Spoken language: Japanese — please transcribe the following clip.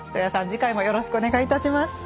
次回もよろしくお願いいたします。